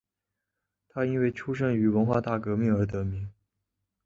他因为出生于文化大革命而得名。